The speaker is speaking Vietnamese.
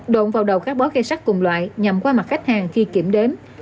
độn vào đầu các bói cây sắt cùng loại nhằm qua mặt khách hàng khi kiểm đếm